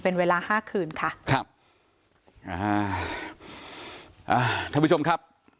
เป็นเวลา๕คืนค่ะ